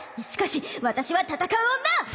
しかし私は戦う女！